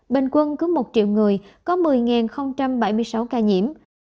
bình quân cứ một triệu người có một mươi bảy mươi sáu ca nhiễm